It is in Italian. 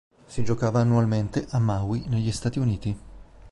Si giocava annualmente a Maui negli Stati Uniti.